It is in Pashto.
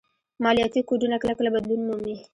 مالياتي کوډونه کله کله بدلون مومي